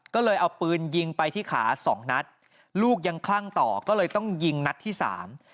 ก็เลยเอาปืนยิงไปที่ขาสองนัดลูกยังคลั่งต่อก็เลยต้องยิงนัดที่สาม